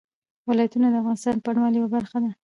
ولایتونه د افغانستان د بڼوالۍ یوه برخه ده.